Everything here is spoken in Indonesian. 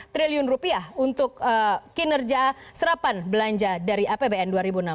tiga ratus sembilan puluh sembilan triliun rupiah untuk kinerja serapan belanja dari apbn dua ribu enam belas